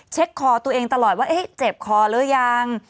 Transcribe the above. คอตัวเองตลอดว่าเจ็บคอหรือยัง